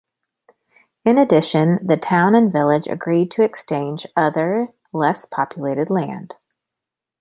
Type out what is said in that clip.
In addition, the town and village agreed to exchange other less populated land.